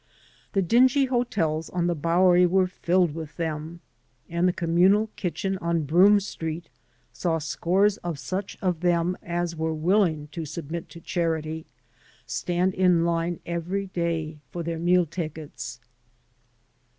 The dingy hotels on the Bowery were SUled with them, and the communal kitchen on Broome Street saw scores of such of them as were willing to submit to charity, stand in line every day for their meal tickets.